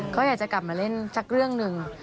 เขาอยากจะกลับมาเล่นสักเรื่องหนึ่ง